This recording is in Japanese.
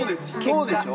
そうでしょ？